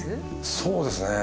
そうですね。